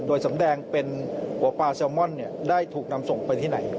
โดยสำแดงเป็นหัวปลาแซลมอนได้ถูกนำส่งไปที่ไหน